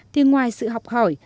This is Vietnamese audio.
thì ngoài sự học hỏi